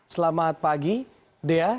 selamat pagi dea